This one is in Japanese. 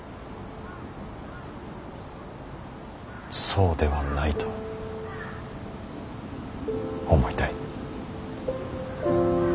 そうではないと思いたい。